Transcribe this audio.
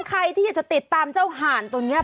ใครที่อยากจะติดตามเจ้าห่านตัวนี้